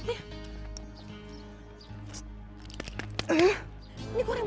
semuanya tersebut berzayar